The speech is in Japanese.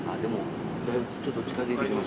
だいぶちょっと近づいてきましたけど。